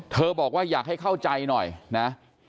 บอกว่าอยากให้เข้าใจหน่อยนะ